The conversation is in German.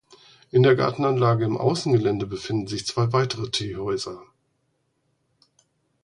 In der Gartenanlage im Außengelände befinden sich zwei weitere Teehäuser.